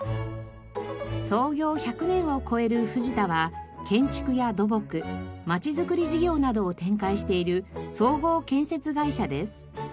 創業１００年を超えるフジタは建築や土木まちづくり事業などを展開している総合建設会社です。